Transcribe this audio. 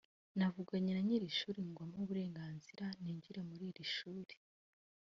navuganye na nyir’ishuri ngo ampe uburenganzira ninjire muri iri shuri